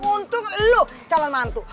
untung lu calon mantu